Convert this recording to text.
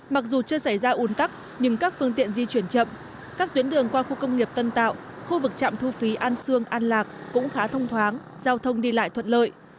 mặc dù chưa xảy ra un tắc nhưng các phương tiện di chuyển chậm các tuyến đường qua khu công nghiệp tân tạo khu vực trạm thu phí an sương an lạc cũng khá thông thoáng giao thông đi lại thuận lợi